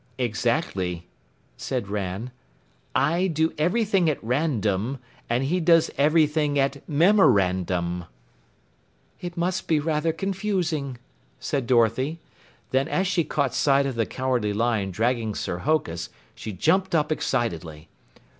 "Exactly," said Ran. "I do everything at Random, and he does everything at memorandum." "It must be rather confusing," said Dorothy. Then as she caught sight of the Cowardly Lion dragging Sir Hokus, she jumped up excitedly.